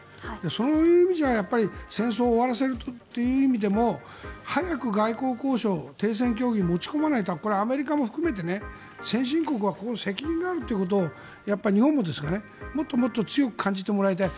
そういう意味では戦争を終わらせるという意味でも早く外交交渉停戦協議に持ち込まないとこれはアメリカも含めて先進国は責任があるということをやっぱり日本ももっと強く感じてもらいたい。